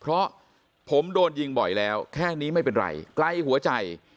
เพราะผมโดนยิงบ่อยแล้วแค่นี้ไม่เป็นไรไกลหัวใจ